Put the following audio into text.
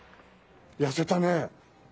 痩せたね。